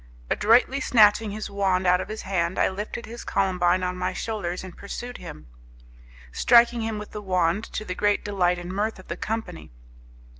Adroitly snatching his wand out of his hand, I lifted his Columbine on my shoulders, and pursued him, striking him with the wand, to the great delight and mirth of the company.